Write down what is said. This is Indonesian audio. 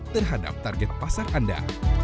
terhadap target pasar anda